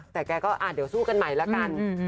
แต่แกก็เดี๋ยวสู้กันใหม่แล้วกัน